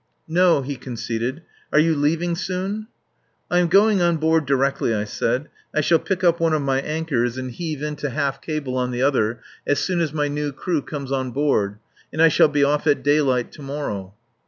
"No," he conceded. "Are you leaving soon?" "I am going on board directly," I said. "I shall pick up one of my anchors and heave in to half cable on the other directly my new crew comes on board and I shall be off at daylight to morrow!"